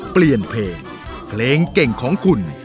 เปลี่ยนเพลงเพลงเก่งของคุณ